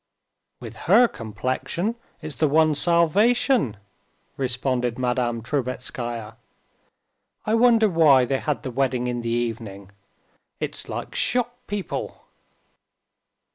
"With her complexion, it's the one salvation," responded Madame Trubetskaya. "I wonder why they had the wedding in the evening? It's like shop people...."